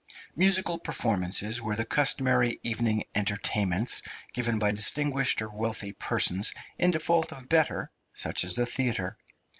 Musical performances were the customary evening entertainments given by distinguished or wealthy persons, in default of better, such as the theatre.